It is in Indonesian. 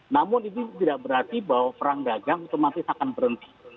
namun itu tidak berarti bahwa perang dagang otomatis akan berhenti